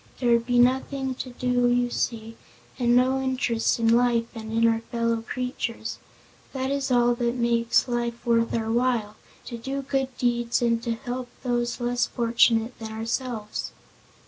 There would be nothing to do you see, and no interest in life and in our fellow creatures. That is all that makes life worth our while to do good deeds and to help those less fortunate than ourselves."